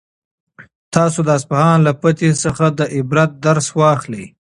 تاسو د اصفهان له فتحې څخه د عبرت درس واخلئ.